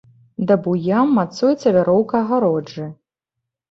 Да буям мацуецца вяроўка агароджы.